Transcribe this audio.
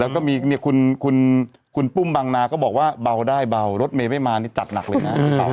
แล้วก็มีคุณปุ้มบางนาก็บอกว่าเบาได้เบารถเมย์ไม่มานี่จัดหนักเลยนะ